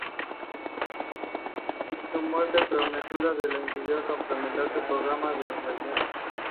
Su muerte prematura le impidió completar sus programas de investigación.